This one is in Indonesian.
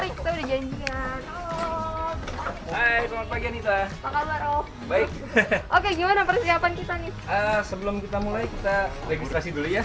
hai semoga pagi nita baik baik oke gimana persiapan kita nih sebelum kita mulai kita